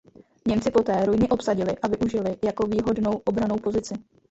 Němci poté ruiny obsadili a využili jako výhodnou obrannou pozici.